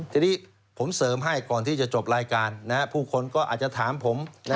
ทีนี้ผมเสริมให้ก่อนที่จะจบรายการผู้คนก็อาจจะถามผม